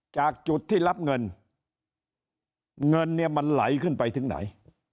จากจุดที่รับเงินเงินเนี่ยมันไหลขึ้นไปถึงไหน